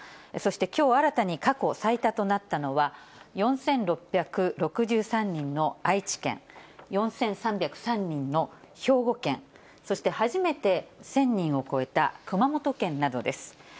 そしてきょう新たに過去最多となったのは、４６６３人の愛知県、４３０３人の兵庫県、そして初めて１０００人を超えた熊本県などです。